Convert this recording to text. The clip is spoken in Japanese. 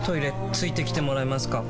付いてきてもらえますか？